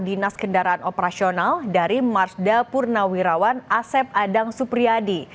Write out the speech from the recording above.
dinas kendaraan operasional dari marsda purnawirawan asep adang supriyadi